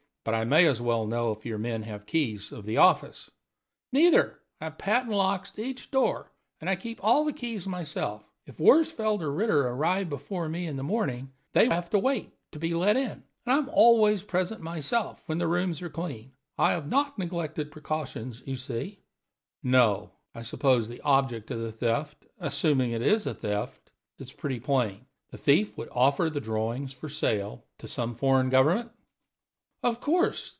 But I may as well know if your men have keys of the office?" "Neither. I have patent locks to each door and I keep all the keys myself. If Worsfold or Ritter arrive before me in the morning they have to wait to be let in; and I am always present myself when the rooms are cleaned. I have not neglected precautions, you see." "No. I suppose the object of the theft assuming it is a theft is pretty plain: the thief would offer the drawings for sale to some foreign government?" "Of course.